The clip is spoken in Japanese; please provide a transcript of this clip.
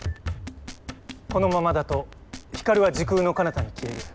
このままだとヒカルは時空のかなたに消える。